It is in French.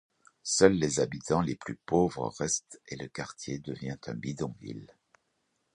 Seuls les habitants les plus pauvres restent et le quartier devient un bidonville.